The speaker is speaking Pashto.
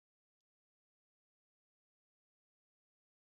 د درملو د حساسیت لپاره باید څه وکړم؟